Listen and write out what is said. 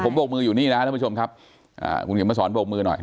ผมบกมืออยู่นี่นะคุณท่านผู้ชมครับ